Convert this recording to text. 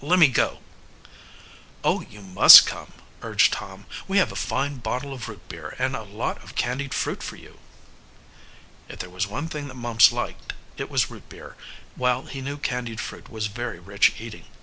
"Let me go." "Oh, you must come," urged Tom. "We have a fine bottle of root beer and a lot of candied fruit for you." If there was one thing that Mumps liked, it was root beer, while he knew candied fruit was very rich eating.